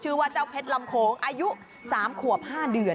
ชื่อว่าเจ้าเพชรลำโคงอายุ๓ขวบ๕เดือน